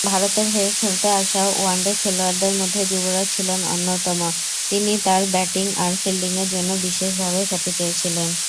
ভারতের হয়ে খেলতে আসা ওয়ানডে খেলোয়াড়দের মধ্যে যুবরাজ ছিলেন অন্যতম, তিনি তাঁর ব্যাটিং আর ফিল্ডিংয়ের জন্য বিশেষভাবে খ্যাতি পেয়েছিলেন।